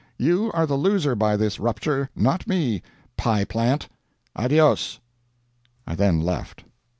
You are the loser by this rupture, not me, Pie plant. Adios." I then left.